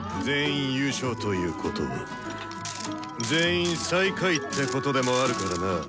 全員優勝ということは全員最下位ってことでもあるからな。